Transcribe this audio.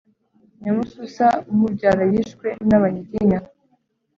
Nyamususa, Umubyara yishwe nabanyiginya,